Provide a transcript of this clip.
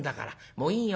もういいよ